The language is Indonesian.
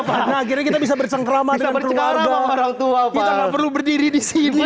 pak akhirnya kita bisa bersengkrama dengan keluarga orangtua pak perlu berdiri di sini